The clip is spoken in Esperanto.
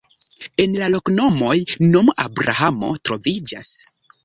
En la loknomoj nomo Abrahamo troviĝas.